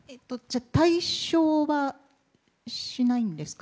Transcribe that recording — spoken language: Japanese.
退所はしないんですか？